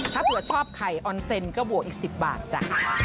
ถ้าเผื่อชอบไข่ออนเซนก็บวกอีก๑๐บาทจ้ะ